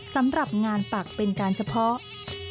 สำหรับงานปักเป็นการเฉพาะ